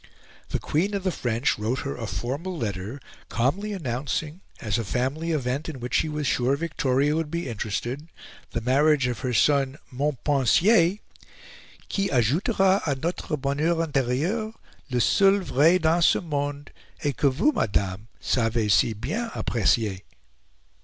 The Queen of the French wrote her a formal letter, calmly announcing, as a family event in which she was sure Victoria would be interested, the marriage of her son, Montpensier "qui ajoutera a notre bonheur interieur, le seul vrai dans ce monde, et que vous, madame, savez si bien apprecier."